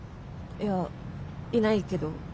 いやいないけど。